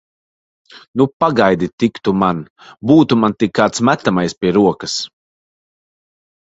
Nu, pagaidi tik tu man! Būtu man tik kāds metamais pie rokas!